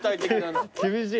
厳しい。